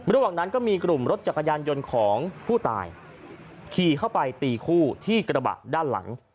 ระหว่างนั้นก็มีกลุ่มรถจักรยานยนต์ของผู้ตายขี่เข้าไปตีคู่ที่กระบะด้านหลัง